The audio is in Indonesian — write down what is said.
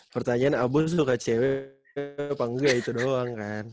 pertanyaan abo suka cewek apa enggak itu doang kan